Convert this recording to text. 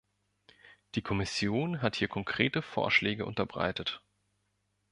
Die Kommission hat hier konkrete Vorschläge unterbreitet.